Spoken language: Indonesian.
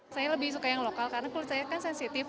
saya lebih suka yang lokal karena kulit saya kan sensitif